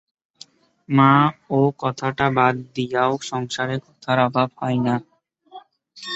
মা, ও কথাটা বাদ দিয়াও সংসারে কথার অভাব হয় না।